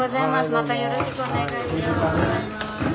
またよろしくお願いします。